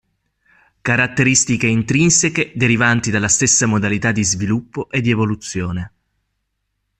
Caratteristiche intrinseche derivanti dalle stesse modalità di sviluppo e di evoluzione.